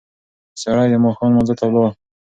سړی د ماښام لمانځه ته ولاړ.